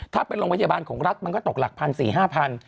ถ้าเป็นโรงพยาบาลของรัฐมันก็ตกหลักพันสี่ห้าพัน